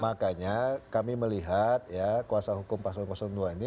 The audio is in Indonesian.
makanya kami melihat kuasa hukum pasolon dua ini